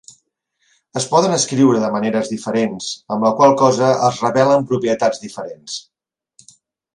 Es poden escriure de maneres diferents, amb la qual cosa es revelen propietats diferents.